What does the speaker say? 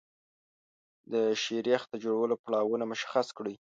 د شیریخ د جوړولو پړاوونه مشخص کړئ.